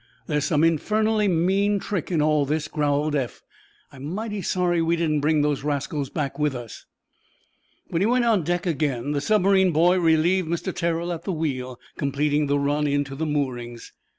"There is some infernally mean trick in all this," growled Eph. "I am mighty sorry we didn't bring those rascals back with us." When he went on deck again the submarine boy relieved Mr. Terrell at the wheel, completing the run in to moorings.